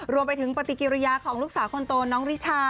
รวมไปถึงปฏิกิริยาของลูกสาวคนโตน้องริชา